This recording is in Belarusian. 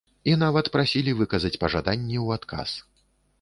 І нават прасілі выказаць пажаданні ў адказ.